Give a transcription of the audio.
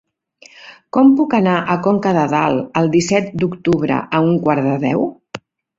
Com puc anar a Conca de Dalt el disset d'octubre a un quart de deu?